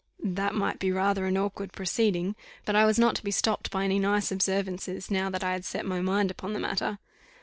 That might be rather an awkward proceeding, but I was not to be stopped by any nice observances, now that I had set my mind upon the matter.